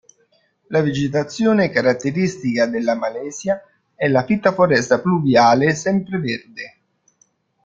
La vegetazione caratteristica della Malaysia è la fitta foresta pluviale sempreverde.